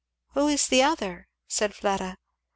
"Who is the other?" said Fleda.